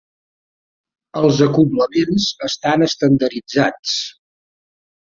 Els acoblaments estan estandarditzats.